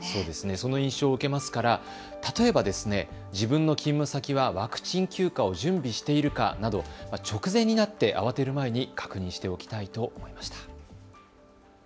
その印象を受けますから例えば自分の勤務先はワクチン休暇を準備しているかなど直前になって慌てる前に確認しておきたいと思いました。